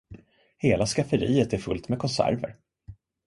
Hela skafferiet är fullt med konserver.